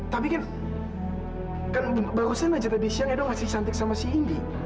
tapi kan kan barusan aja tadi siang edo ngasih santik sama si indi